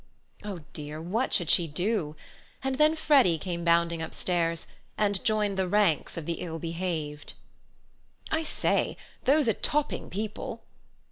Oh, dear, what should she do?—and then Freddy came bounding upstairs, and joined the ranks of the ill behaved. "I say, those are topping people."